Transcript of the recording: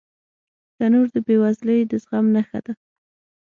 تنور د بې وزلۍ د زغم نښه ده